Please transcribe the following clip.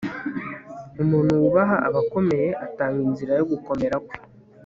umuntu wubaha abakomeye atanga inzira yo gukomera kwe